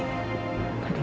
adalah kesalahan besar